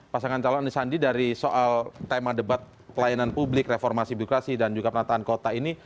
pasangan calon anisandi dari soal tema debat pelayanan publik reformasi birokrasi dan juga penataan kota ini